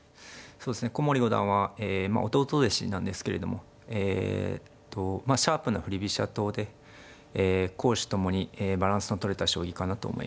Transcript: そうですね古森五段は弟弟子なんですけれどもえとシャープな振り飛車党で攻守ともにバランスのとれた将棋かなと思います。